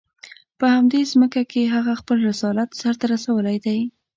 په همدې ځمکه کې هغه خپل رسالت سر ته رسولی دی.